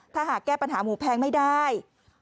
ถ้าหากแก้ปัญหาหมูแพงไม่ได้